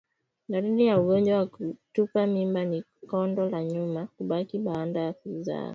Dalili ya ugonjwa wa kutupa mimba ni kondo la nyuma kubaki baada ya kuzaa